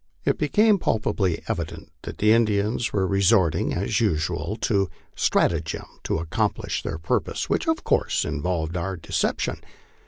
It became palpably evident that the Indians were resorting, as usual, to strata gem to accomplish their purpose, which of course involved our deception.